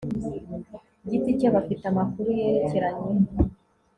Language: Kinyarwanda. giti cye bafite amakuru yerekeranye